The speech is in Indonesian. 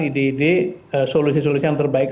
ide ide solusi solusi yang terbaik